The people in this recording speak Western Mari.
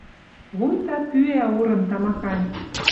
Вуйта пӱӓ урын тамахань.